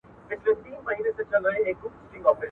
تاسو به د هر چا په مخ کي په متانت سره غږیږئ.